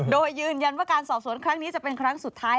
โดยยืนยันว่าการสอบสวนครั้งนี้จะเป็นครั้งสุดท้าย